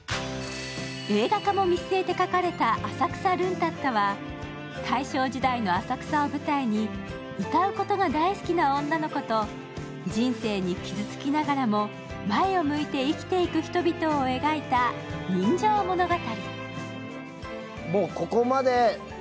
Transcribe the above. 映画化も見据えて書かれた「浅草ルンタッタ」は大正時代の浅草を舞台に歌うことが大好きな女の子と人生に傷つきながらも前を向いて生きていく人々を描いた人情物語。